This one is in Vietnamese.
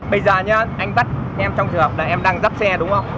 bây giờ anh bắt em trong trường hợp là em đang dắt xe đúng không